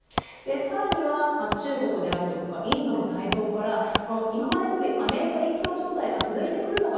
さらには中国であるとかインドの台頭から今までどおりアメリカ一強状態が続いてくるのか